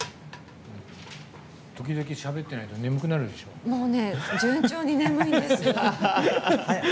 時々、しゃべってないと眠くなるでしょう。